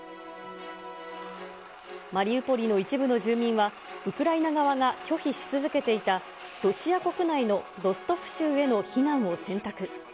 マリウポリの一部の住民は、ウクライナ側が拒否し続けていたロシア国内のロストフ州への避難を選択。